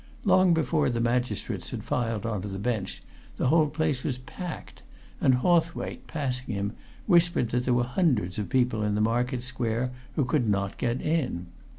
Long before the magistrates had filed on to the bench, the whole place was packed, and Hawthwaite, passing him, whispered that there were hundreds of people in the market square who could not get in.